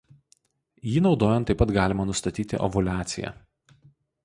Jį naudojant taip pat galima nustatyti ovuliaciją.